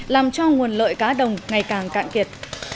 làm cho nguồn lợi cá đồng ngày càng cạn kiệt